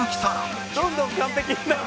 どんどん完璧になって。